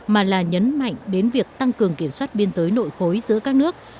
mà là nhấn mạnh đến việc tăng cường kiểm soát biên giới nội khối giữa các nước